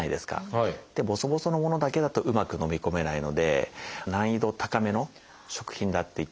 ボソボソのものだけだとうまくのみ込めないので難易度高めの食品だって言っていい。